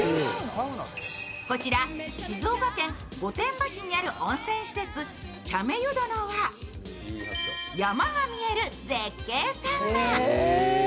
こちら、静岡県御殿場市にある温泉施設、茶目湯殿は山が見える絶景サウナ。